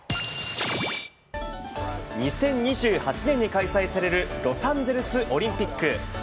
２０２８年に開催されるロサンゼルスオリンピック。